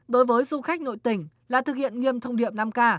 đối với du khách nội tỉnh là thực hiện nghiêm thông điệp năm k